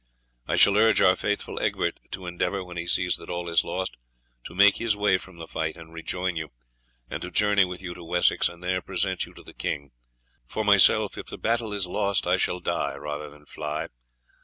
I shall urge our faithful Egbert to endeavour, when he sees that all is lost, to make his way from the fight and rejoin you, and to journey with you to Wessex and there present you to the king. For myself, if the battle is lost I shall die rather than fly.